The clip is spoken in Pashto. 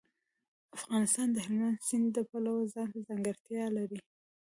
افغانستان د هلمند سیند د پلوه ځانته ځانګړتیا لري.